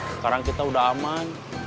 sekarang kita udah aman